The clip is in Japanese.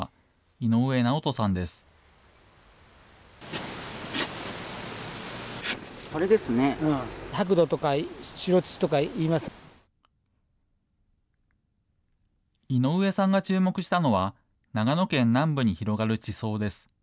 井上さんが注目したのは、長野県南部に広がる地層です。